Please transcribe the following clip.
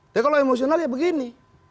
tapi kalau emosional ya begini